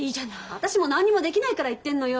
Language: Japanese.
私も何もできないから言ってんのよ。